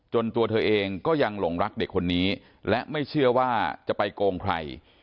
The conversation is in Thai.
ตัวเธอเองก็ยังหลงรักเด็กคนนี้และไม่เชื่อว่าจะไปโกงใคร